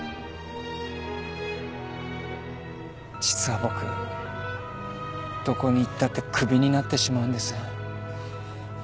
実は僕どこに行ったって首になってしまうんです。